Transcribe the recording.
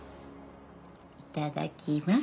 いただきます。